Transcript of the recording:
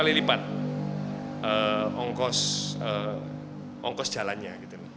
kali lipat ongkos jalannya